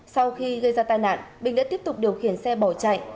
sau khi gây ra tai nạn bình đã tiếp tục điều khiển xe bỏ chạy